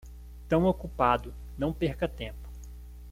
Tão ocupado, não perca tempo.